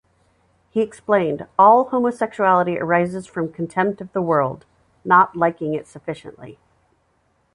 He explained: All homosexuality arises from contempt of the world, not liking it sufficiently.